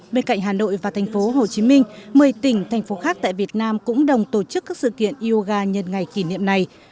bên cạnh hà nội và tp hcm một mươi tỉnh thành phố khác tại việt nam cũng đồng tổ chức các sự kiện yoga nhân ngày kỷ niệm này